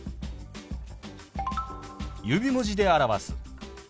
指文字で表す。